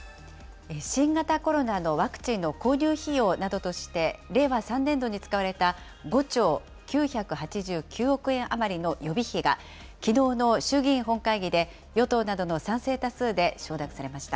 新型コロナのワクチンの購入費用などとして、令和３年度に使われた５兆９８９億円余りの予備費が、きのうの衆議院本会議で、与党などの賛成多数で承諾されました。